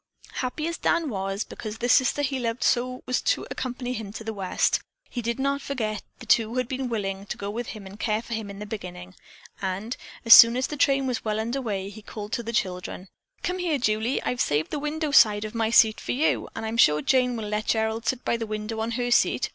Happy as Dan was, because the sister he so loved was to accompany him to the West, he did not forget the two who had been willing to go with him and care for him in the beginning, and, as soon as the train was well under way, he called to the children. "Come here, Julie. I've saved the window side of my seat for you, and I'm sure Jane will let Gerald sit by the window on her seat.